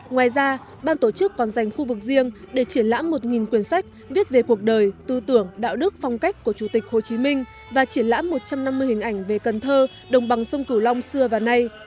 ngoài ra ban tổ chức còn dành khu vực riêng để triển lãm một quyển sách viết về cuộc đời tư tưởng đạo đức phong cách của chủ tịch hồ chí minh và triển lãm một trăm năm mươi hình ảnh về cần thơ đồng bằng sông cửu long xưa và nay